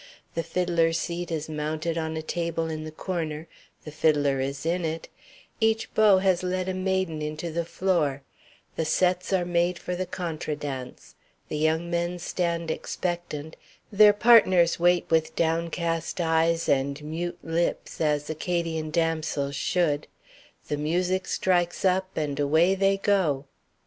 The fiddler's seat is mounted on a table in the corner, the fiddler is in it, each beau has led a maiden into the floor, the sets are made for the contra dance, the young men stand expectant, their partners wait with downcast eyes and mute lips as Acadian damsels should, the music strikes up, and away they go.